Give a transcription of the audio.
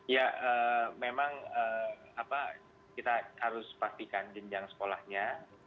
ya memang kita harus pastikan jenjang sekolahnya